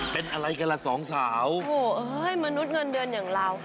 เป็นอะไรกันล่ะสองสาวโอ้โหเอ้ยมนุษย์เงินเดือนอย่างเรา